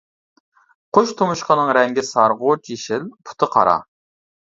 قۇش تۇمشۇقىنىڭ رەڭگى سارغۇچ يېشىل، پۇتى قارا.